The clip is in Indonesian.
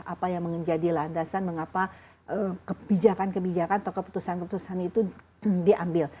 apa yang menjadi landasan mengapa kebijakan kebijakan atau keputusan keputusan itu diambil